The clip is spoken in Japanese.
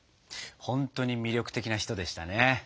ほんとに魅力的な人でしたね。